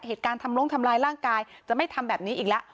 เหตุการณ์ทำล้งทำลายร่างกายจะไม่ทำแบบนี้อีกแล้ว